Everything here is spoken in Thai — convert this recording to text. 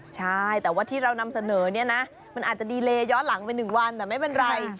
ใช่แต่ว่าที่เรานำเสนอเนี่ยนะมันอาจจะดีเลย้อนหลังไป๑วันแต่ไม่เป็นไร